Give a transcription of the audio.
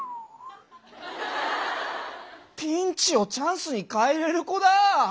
ピンチをチャンスにかえれる子だ！